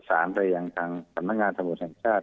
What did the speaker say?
ประสานไปอย่างทางสำนักงานสมุทธ์แห่งชาติ